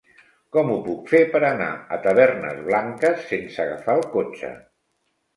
Com ho puc fer per anar a Tavernes Blanques sense agafar el cotxe?